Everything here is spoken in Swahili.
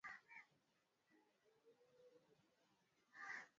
Nzi wanaosababisha malale